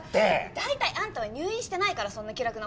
大体あんたは入院してないからそんな気楽な事言えるんでしょ。